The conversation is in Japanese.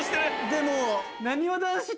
でも。